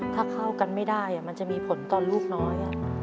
ถ้าเข้ากันไม่ได้มันจะมีผลต่อลูกน้อย